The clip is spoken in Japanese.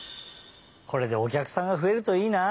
これでおきゃくさんがふえるといいな。